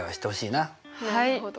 なるほど。